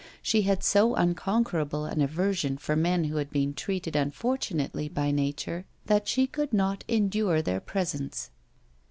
She had so unconquerable an aversion for men who had been treated unfortunately by nature, that she could not endure their presence.